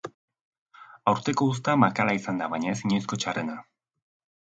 Aurtengo uzta makala izan da baina ez inoizko txarrena.